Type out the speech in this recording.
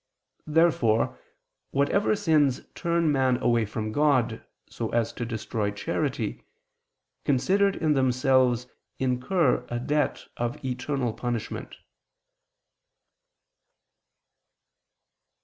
Therefore whatever sins turn man away from God, so as to destroy charity, considered in themselves, incur a debt of eternal punishment.